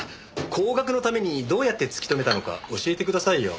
後学のためにどうやって突き止めたのか教えてくださいよ。